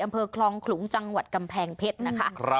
อำเภอคลองขลุงจังหวัดกำแพงเพชรนะคะ